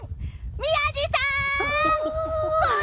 宮司さん！